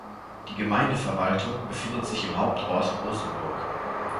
Die Gemeindeverwaltung befindet sich im Hauptort Rosenburg.